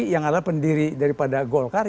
yang adalah pendiri daripada golkar